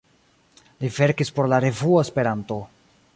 Li verkis por la "revuo Esperanto".